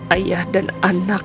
ayah dan anak